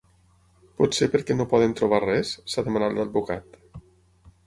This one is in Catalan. Potser perquè no poden trobar res?, s’ha demanat l’advocat.